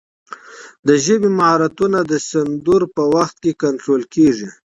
د ژبې مهارتونه د سندرو په وخت کنټرول کېږي.